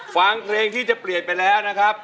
ฟังเพลงที่จะเปลี่ยนไปแล้วนะครับ